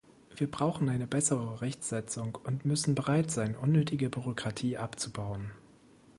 Wir brauchen eine bessere Rechtsetzung und müssen bereit sein, unnötige Bürokratie abzubauen.